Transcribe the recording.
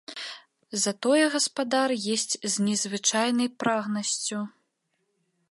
Затое гаспадар есць з незвычайнай прагнасцю.